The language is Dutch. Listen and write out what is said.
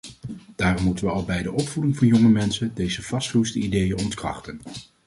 Daarom moeten we al bij de opvoeding van jonge mensen deze vastgeroeste ideeën ontkrachten.